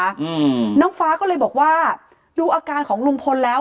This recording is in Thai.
อืมน้องฟ้าก็เลยบอกว่าดูอาการของลุงพลแล้ว